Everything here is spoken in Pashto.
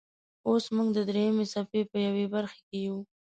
اوس موږ د دریمې څپې په یوه برخې کې یو.